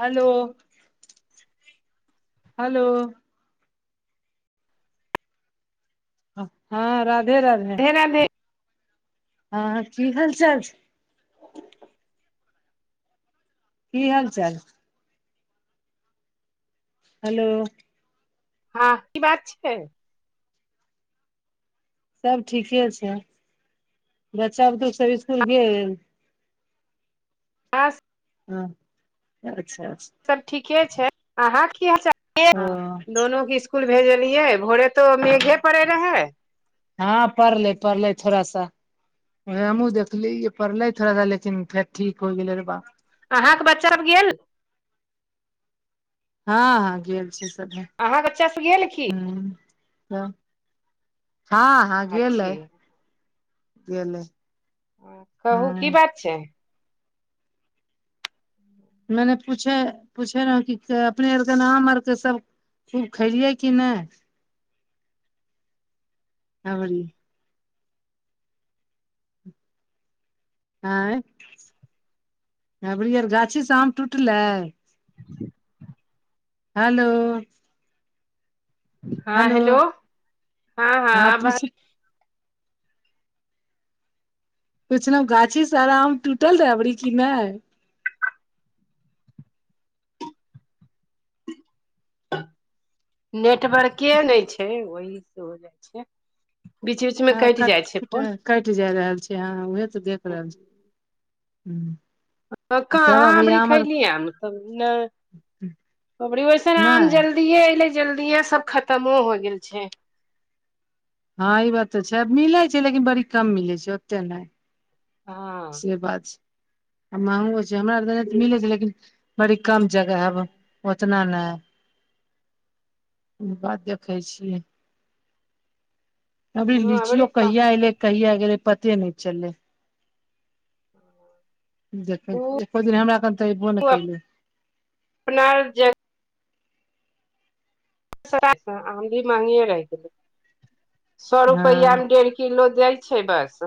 Hello hello हँ राधे राधे राधे हँ की हाल चाल छै की हाल चाल हेलो हँ की बात छै सब ठीके छै बच्चा बुतू सब इसकुल गेल पास हँ अच्छा अच्छा सब ठीके छै अहाँ की हाल चाल य ओ दोनो के इ इसकुल भेजलियै भोरे तो मेघे पड़े रहे हँ पड़ले पढ़ले थोड़ा सा हमहुँ देखली पड़ले थोड़ा सा लेकिन फेर ठीक हो गेले रे बा अहाँके बच्चा आब गेल हँ हँ गेलल छै सब अहाँके बच्चाँ गेल की ह हँ हँ अच्छे गेललै गल्ले कहू की बात छै मैने पूछे पूछे रह क अपने आर के नाम आरके सब खूब खेलिए कि नहि अबरी आँय [inaudible] अबरी यर गाछी स आम टूटलै हेलो हँ हेलो [inaudible] हँ हँ आब पुछलौ गाछी सारा आम टूटल रहै अबरी कि नै नेटवर्के नै छै ओहि स हो जाइ छै बीच बीच मे हँ कटि जाइ [unintelligible] छै फोन कइट जा रहल छै ह उह तऽ देख रहल छी [inaudible] तब कहाँ अबरी आम आर खैली आम तब ना [inaudible] अबरी ओैसन आम नहि जल्द जल्दि एले जल्दिए सब खत्मो हो गेल छै हँ ई बात तऽ छै मिलै छै लेकिन बड़ी कम मिलै छै ओते नै हँ [inaudible] से बात छै आ महंगो छै हमरा तऽ मिलै छै लेकिन बड़ी कम जगह हैब ओतना नै बात देखै छियै अबरी हँ बड़ी लीचियो कम कहिया ऐलै कहिया गेलै पते नै चललै देख उ एको दिन हमरा घर तऽ अयबो नै कैले अपना आयब जैब [unintelligible] आम भी महँगिये रैह गेलै [inaudible] सौ रुपैआ हँ में डेढ़ कि किलो दइ छै बस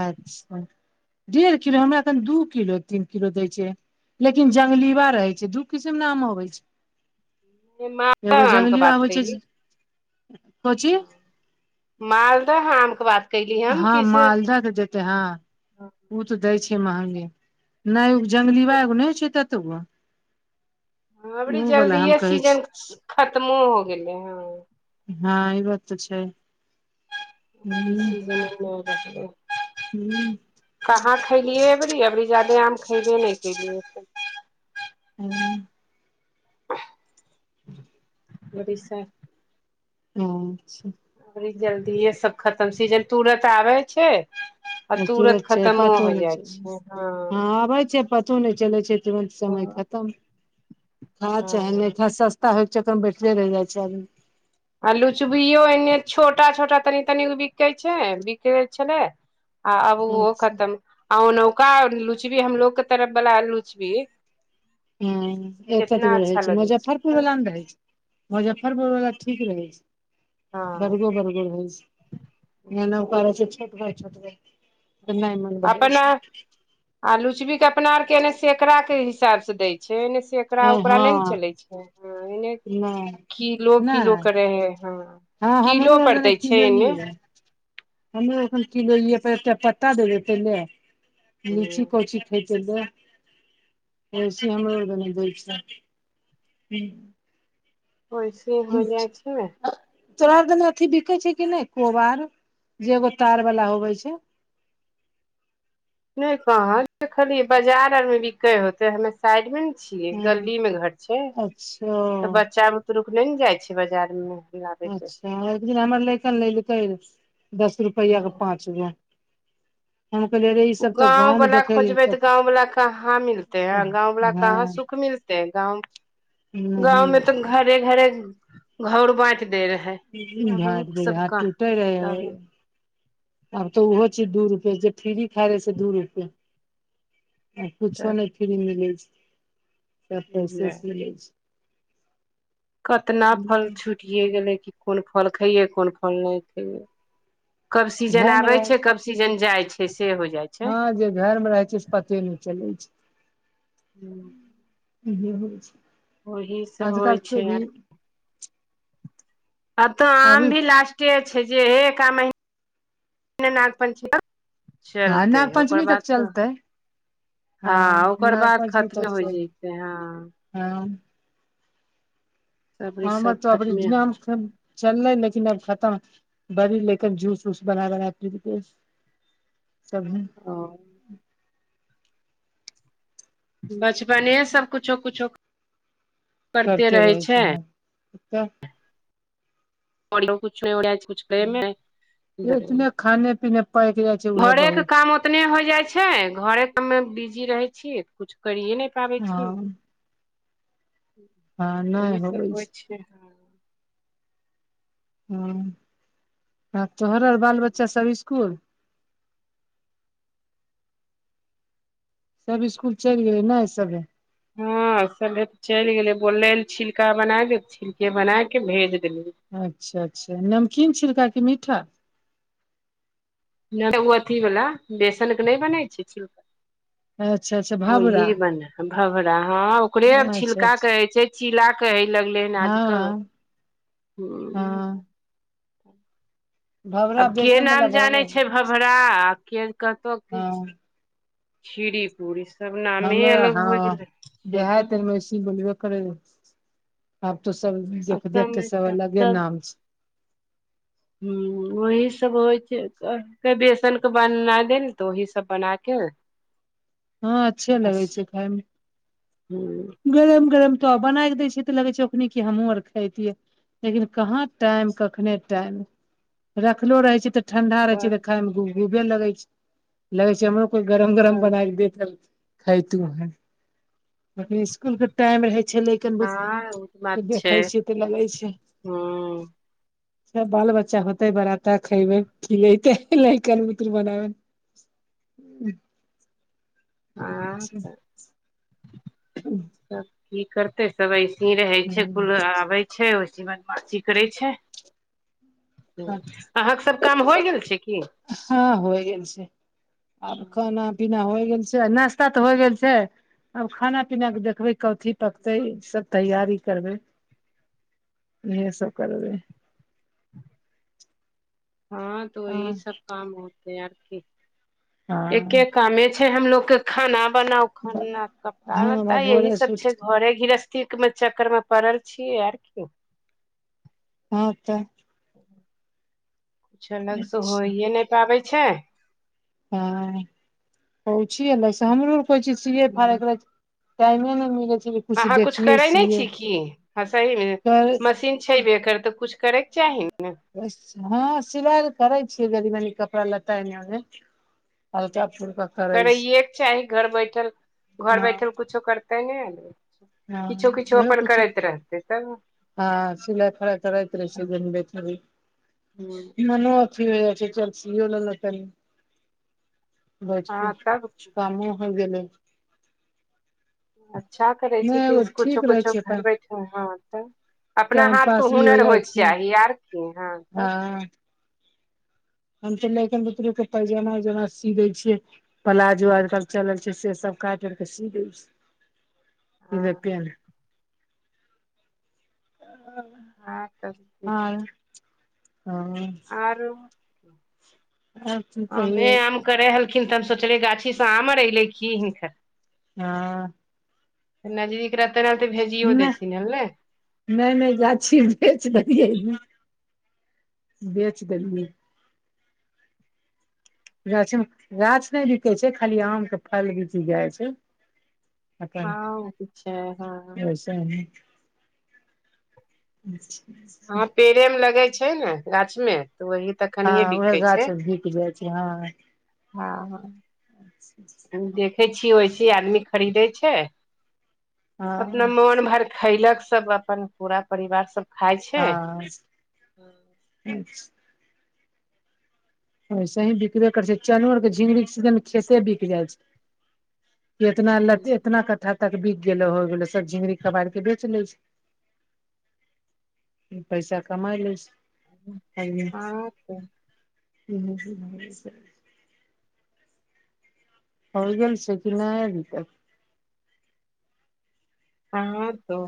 अच्छा डेढ़ किलो हमरा एखन दू किलो तीन किलो दै छै लेकिन जंगलीवा रहै छै दु किसम न आम हबै छै [inaudible] एगो मालदह आम के जंगलीवा बात होइ छै कैली से [inaudible] कची मालदह आम कऽ बात कैली हम हँ कि से मालदह तऽ जतै हँ [inaudible] ओ तऽ दै छै महंगे नै उऽ तो जंगलीवा एगो नै हो छै तत गो ह अबरी जल्दिए छी सीजन खत्मो हो गेलै हँ हँ ई बात तऽ छै हुँ [unintelligible] [unintelligible] कहाँ खयलियै अबरी अबरी जादे आम खयबे नै कलियै [unintelligible] [unintelligible] बड़ी सा । [unintelligible] अबरी जल्दी सब खतम छै सीजन तुरत आबै छै आ तुरत छै खतमो पतो हो नहि जाइ छै ह हँ आबै छै पतो नै चले छै तुरंत समय तऽ खतम [inaudible] खा चाहे नै हँ खा कहै छै तऽ बैठले रहि जाइ छै आदमी आ लुचबियो एन्हे छोटा छोटा तनी तनिगो बिकै छै बिकै छलै आ अब ओहो आदमी खतम आ नौका लुचबी हमलोग केँ तरफ बला लुचबी ह एत एत कितना गो रहै अच्छा छै लगै मुजफ्फरपुर तऽ वला न रहै छै मुजफ्फरपुर वला ठीक रहै छै [inaudible] हँ बरगो बरगो रहै छै येनैका रहे छै छोट भाई छोट भ त नै मन भाय अपना छै आ लुचबी कऽ अपना आरके एने सेकड़ा केँ हिसाब से दै छै एने सेक सैकड़ा ओकरा नै हँ न चलै छै ह एने नहि किलो किलो नहि कऽ रहे है हँ हमरो किलो पर दै छै एने हम एखन किलो पर एकटा पत्ता दै है पहिले [inaudible] लीची को ची हमरा [unintelligible] ही होय छै ने [unintelligible] तोरा दने अथी बिके छै कि नहि कोबार जे एगो तार बाला होवे छै नय कहल देखलियै बाजार आरमे बिकै होतै हमे साइड मे ने छियै हँ गली मे घर छै अच्छा त बच्चा त रुक नय ने जाइ छीये बजार में अच्छा एक दिन हमर लैेकन ल लकै दस रुपैआ के पाँच रुपया [unintelligible] ओ गाँव गाँंव मे वला देखे खोजबै त गाँंव वला कहाँ मिलते ह हँ गाँंव वला कहाँ सुख मिलते गाव नहि गाँंव में त घरे घरे घर बाँटि देै रहे आब ओ भार दूल्हा सब हाथ कहाँ टूटे रहै तब आब त ओहो चीज दू रुपया जे फ्री खाइ रहे से दू रुपया आ कुछो नहि फ्री मिलैत छै सब पैसे से मिले छै कतना फल छुटियए गेलै कि कोन फल खइयै कोन फल नहि खइयै कब सीजन घर मे आबै रह छै कब सीजन जाइ छै से हो जाइ छै हँ जे घर मे रहै छै से पते नहि चलै छै हूँ इहे होइ छै ओही से होइ आजकल तऽ छै भी आर आ तो आम अभी भी लास्ट के छै जे एक एक आ महीनाना नागपंचमी आर हँ चलतै नाग ओकर पञ्चमी बाद तक त चलतै हँ ओकर नाग बाद पञ्चमी तक खत्में होइ चल जतै हँ हँ सबरी हमे सब तोरा खत्मे [unintelligible] चलले लेकिन अब खतम बड़ी लेकिन जूस वूस बना बना दीपेश सबी ओ बचपने सब कुछो कुछो करते रहै छै त आओर नय [unintelligible] [unintelligible] इतने खाने पीने पकि जाइ छै उहे घरेके बहुत छै काम होत एतने होइ जाइ छै घरे पर मे बिजी रहै छी कुछु करिए नहि पाबै छी। हँ हँ ओही नहि होबै छै [unintelligible] हँ आ तोहरल बाल बच्चा सब इसकुल सब इसकुल चैल गेलै ने सबे हँ सभे चलि गेलै बोलले छिलका बनाय दिय छिलके बनाय के भेज देलियै अच्छा अच्छा नमकीन छिलका की मीठा नहि ओ अथीवला बेसन के नहि बनै छै छिलका अच्छा अच्छा भबरा ओही बने भवड़ा हँ ओकरे आब अच्छा छिलका अच्छा कहै छै छीला कहय लगले हन आजकल हँ हूँ हँ अब भबरा के बेसन नाम बला जानै भबरा छै [inaudible] भबरा के कहतो किछु हँ खिरी पूरी सब नामे हमे अलग हो हँ गेलै छै देहाएत तब एहिमे अइसेही बोलबे करै रहो आब त सब देख देख के असममे सब अलगे तब नाम छै हम्म ओही सब होइ छै त बेसन के बननाइ देेल तऽ ओह सब बनाय के हँ अच्छे लगै छै खायमे। हूँम्म गरम गरम तो बनाय के दै छै तऽ लगे छै ओखनी कि हमूँ आर खइतियै लेकिन कहाँ टाइम कखने टाइम रखलो रहै छै तऽ ठंडा रहे छै तऽ तब खाय मे गुबगुबे लगे छै लगे छै हमरो कोइ गरम गरम बना तब क देतत खेयतू हम जखन इस्सकुल के टाइम रहे छलै हँ ओ तऽ बात [unintelligible] छै देखै छियै तऽ लगे छै। हूँ सब बाल बच्चा होते बड़ा त खेबै खिलैते लइकन बुतरू बना बना [inaudible] हँ तऽ सब की कर ते सभ ऐसे ही रहै छै इसकुल आबै छै वैसे बदमाशी करै छै हूं अहाँके सब काम होइ गेल छै की हँ होइ गेल छै आब खाना पीना होइ गेल छै नाश्ता तऽ होइ गेल छै आब खाना पीनाके देखबै कथी तकते सब तैयारी करबै उहे सब करबै [inaudible] हँ त वही हँ सब काम होतेै आ की एके हँ कामे छै हमलोग के खाना बनाउ खाना कपड़ा लत्ता हँ यही भोरे सब से उठ छै घरे गृहस्थी मे चक्कर मे पड़ल छीयै आर की हँ तऽ किछु अलग से होइए नहि पाबै छै हँ होइ छै अलग से हमरो आर कोइ चीज सिए फाड़ेके रहै छै टाइमे नहि मिलै छै जे किछु अहाँ कुछ देखियै करे ने सियै छीयै की हँ सही मे कर मशीन छैबे करय तऽ कुछ करैके चाही ने हँ सिलाइ छ करै छियै कनी मनी कपड़ा लत्ता एने ओने हल्का फुल्का करै छी करैएके चाही घर बैठल घर हँ बैठल कुछो करते ने लोग हँ वैह कुच्छो रहतै तब हँ सिलाइ फराइ करैत रहे छै जनबे करी मनो की हो छै चल सियों लेलक कनि बस हँ तब कुछ कामो होइ गेलै अच्छा करै छी कि नहि इस ठीक कुछो रहै कुछो छै घर अपन बैठे हँ तऽ अपना टाइम हाथके पास भी हो हुनर जाइ होइके छै चाही आर की हँ तब हँ हम तऽ लइकन बुतरू के पैजामा उजामा सी दै छियै प्लाजो आई कल चलल छै से सब काटि के सी दे छिये हँ ले पेनह - - - - हँ [unintelligible] तब आँ हँ आरो आर की आमे कहियौ आम करै हलखिन तबऽ सोचलियै गाछी सँ आम आर एऐलै की हिनकर हँ नजदीक रहते न तऽ भेजियो देथिन एलेह नै नै गाछी बेच देलियै बेच देलियै गाछमे - गाछ नए बिकैय छै खाली आम के फल बिक जाइ छै ह अपन उ छै हँन हँ [unintelligible] पेड़े मे लगै छै ने गाछ में त ओहि हँ उहे गाछ भिक जाइ छै हँ हँ हँ देखे छियै ओहि से आदमी खरीदे छै अपना मोन भर खैलक सब अपन पूरा परिवार सब खाय छै हँ ओैयसे ही बिकबे करै छै -चलू न त झिंमनी के सीजन मे खे सेहो बिक जाइ छै इतना अनदर - इतना कट्ठा तक बिक गेलो हो सब झिंमनी कबार के बेच लै छै पैसा कमाइ लै छै हँ त ह [unintelligible] होई गेल छै कि नए अभितक हँ तऽ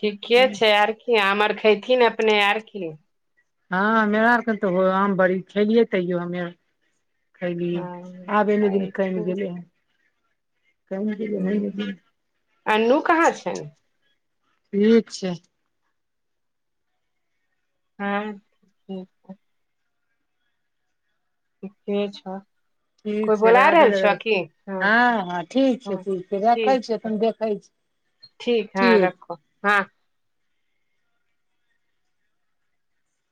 ठीके छै आर की आमर खयथिन अपने आर की हँ मेरा आरके तऽ हो आम बड़ी खेलियै तैयो हमे खैयली हँ आब एनेदिन कइम अयथिन गेले हन ह [inaudible] अन्नू कहाँ छनि ठीक छै हँ [inaudible] ठीके छ ठीक छै राधे - राधे हँ- हँ ठीक छै हँ -ठीक छै रखै ठीक छी छै तहन देखै छी ठीक हँ रखो -हँ